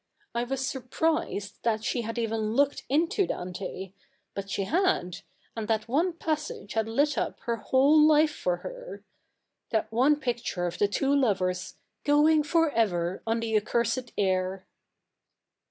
I was surprised that she had even looked into Dante : but she had ; and that one passage had lit up her whole life for her— that one picture of the two lovers " going for ever on the accursed air."